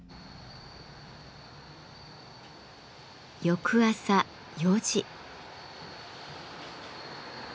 翌朝４時。